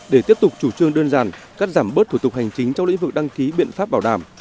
để tiếp tục chủ trương đơn giản cắt giảm bớt thủ tục hành chính trong lĩnh vực đăng ký biện pháp bảo đảm